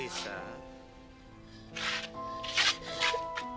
ini semua salah aku